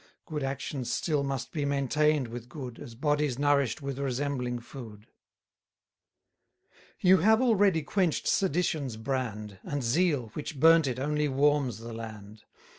Good actions still must be maintain'd with good, As bodies nourish'd with resembling food. You have already quench'd sedition's brand; And zeal, which burnt it, only warms the land.